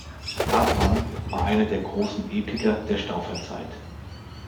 Hartmann war einer der großen Epiker der Stauferzeit.